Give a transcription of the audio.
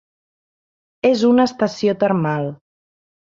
És una estació termal.